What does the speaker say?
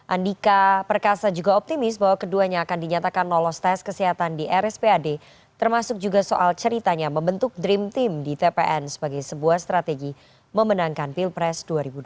andika perkasa juga optimis bahwa keduanya akan dinyatakan lolos tes kesehatan di rspad termasuk juga soal ceritanya membentuk dream team di tpn sebagai sebuah strategi memenangkan pilpres dua ribu dua puluh